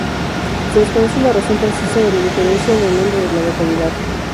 Se desconoce la razón precisa de la diferencia en el nombre de la localidad.